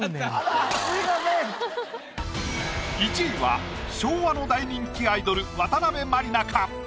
１位は昭和の大人気アイドル渡辺満里奈か？